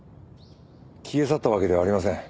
消え去ったわけではありません。